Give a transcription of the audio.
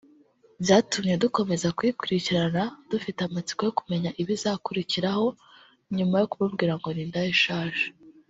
Byatumye dukomeza kuyikurikirana dufite amatsiko yo kumenya ibizakurikiraho nyuma yo kumubwira ngo ‘Ni indaya ishaje